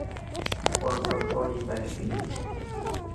Wolff was born in Bielefeld.